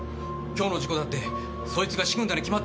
今日の事故だってそいつが仕組んだに決まってます。